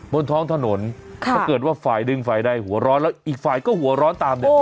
บนท้องถนนถ้าเกิดว่าฝ่ายหนึ่งฝ่ายใดหัวร้อนแล้วอีกฝ่ายก็หัวร้อนตามเนี่ย